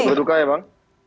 terus berduka ya bang